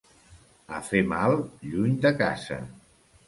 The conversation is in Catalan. A fer mal, lluny de casa.